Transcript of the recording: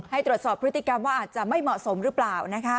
ให้ตรวจสอบพฤติกรรมว่าอาจจะไม่เหมาะสมหรือเปล่านะคะ